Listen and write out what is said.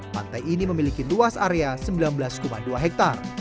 pantai ini memiliki luas area sembilan belas dua hektare